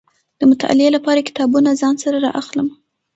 د مطالعې لپاره کتابونه ځان سره را اخلم.